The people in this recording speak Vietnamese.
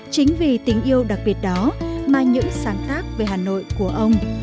chính vì tình yêu đặc biệt đó mà những sáng tác về hà nội của ông